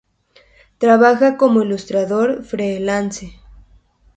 Trabaja como ilustrador freelance.